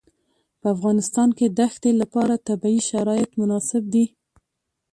په افغانستان کې د ښتې لپاره طبیعي شرایط مناسب دي.